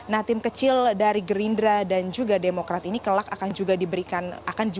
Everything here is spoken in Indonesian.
nah tim kecil dari gerindra dan juga demokrat ini kelak akan juga diberikan